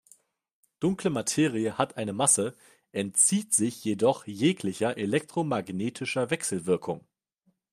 Dunkle Materie hat eine Masse, entzieht sich jedoch jeglicher elektromagnetischer Wechselwirkung.